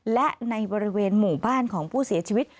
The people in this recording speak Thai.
และในบริเวณหมู่บ้านของผู้เสียชีวิต